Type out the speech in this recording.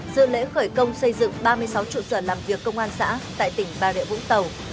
dự lễ khởi công xây dựng ba mươi sáu trụ sở làm việc công an xã tại tỉnh bà rịa vũng tàu